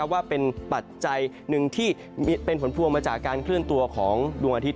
ว่าเป็นปัจจัยหนึ่งที่เป็นผลพวงมาจากการเคลื่อนตัวของดวงอาทิตย